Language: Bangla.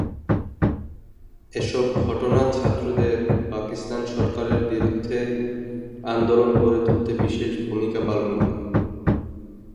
এসব ঘটনা ছাত্রদেরকে পাকিস্তান সরকারের বিরুদ্ধে আন্দোলন গড়ে তুলতে বিশেষ ভূমিকা পালন করে।